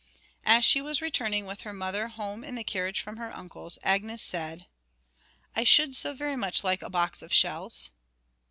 As she was returning with her mother home in the carriage from her uncle's, Agnes said: 'I should so very much like a box of shells.'